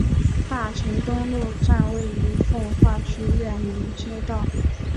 大成东路站位于奉化区岳林街道。